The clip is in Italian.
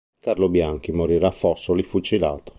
Carlo Bianchi morirà a Fossoli, fucilato.